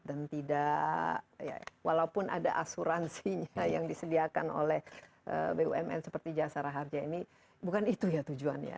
dan tidak walaupun ada asuransinya yang disediakan oleh bumn seperti jasara harga ini bukan itu ya tujuannya